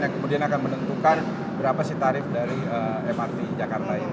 yang kemudian akan menentukan berapa sih tarif dari mrt jakarta ini